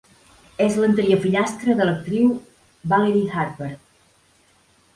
És l'anterior fillastra de l'actriu Valerie Harper.